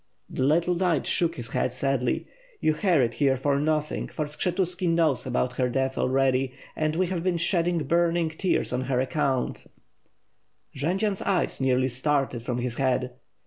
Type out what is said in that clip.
The little knight shook his head sadly. "You hurried here for nothing, for Skshetuski knows about her death already; and we have been shedding burning tears on her account." Jendzian's eyes nearly started from his head.